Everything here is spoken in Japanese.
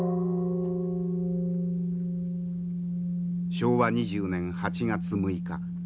昭和２０年８月６日。